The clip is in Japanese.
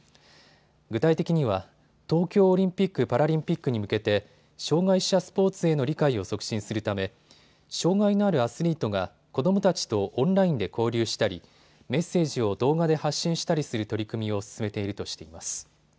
具体的には東京オリンピック・パラリンピックに向けて障害者スポーツへの理解を促進するため障害のあるアスリートが子どもたちとオンラインで交流したりメッセージを動画で発信したりする取り組みを進めているとしています。